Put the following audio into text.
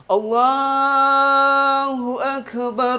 allahu akbar allahu akbar